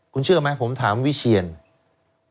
คุณเชื่อไหมผมถามวิเชียน